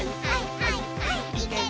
はいはい。